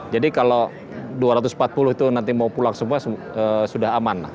jadi kalau dua ratus empat puluh itu nanti mau pulang semua sudah aman